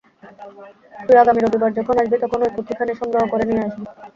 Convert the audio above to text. তুই আগামী রবিবার যখন আসবি, তখন ঐ পুঁথিখানি সংগ্রহ করে নিয়ে আসবি।